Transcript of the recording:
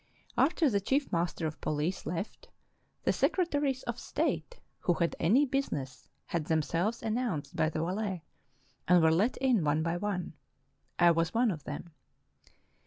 After the chief master of poUce left, the secretaries of state "3 RUSSIA who had any business had themselves announced by the valet, and were let in one by one. I was one of them.